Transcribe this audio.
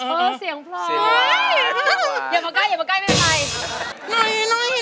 เออเสียงพลอย